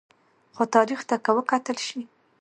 خو تاریخ ته که وکتل شي